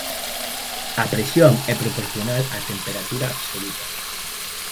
A presión é proporcional á temperatura absoluta